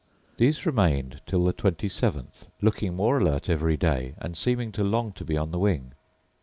These remained till the twenty seventh, looking more alert every day, and seeming to long to be on the wing.